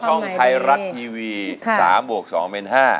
ช่องไทยรัฐทีวี๓บวก๒เป็น๕